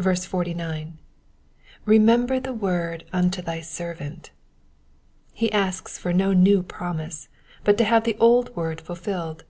49. '^Bemember the word unto thy aemanty He asks for no new promise, but to have the old word fulfilled.